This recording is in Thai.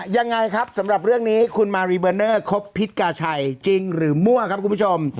ยังไงครับสำหรับเรื่องนี้คุณมารีเบอร์เนอร์ครบพิษกาชัยจริงหรือมั่วครับคุณผู้ชม